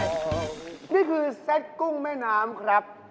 นี่คือเซ็ตกุ้งแม่น้ำครับ